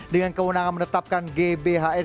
dengan kewenangan menetapkan gbhn